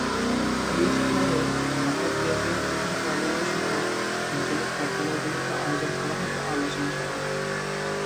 বিএসটিআইয়ের ঢাকার তেজগাঁওয়ের প্রধান কার্যালয়সহ আঞ্চলিক কার্যালয়গুলোতে আয়োজন করা হবে আলোচনা সভা।